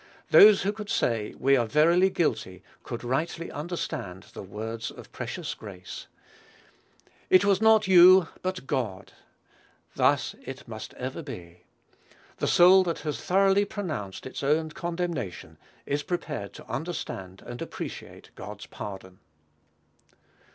Those who could say, "We are verily guilty," could rightly understand the words of precious grace, "It was not you, but God." Thus it must ever be. The soul that has thoroughly pronounced its own condemnation, is prepared to understand and appreciate God's pardon.